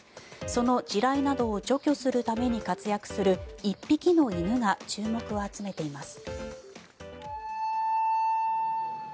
その地雷などを除去するために活躍する１匹の犬が注目を集めています。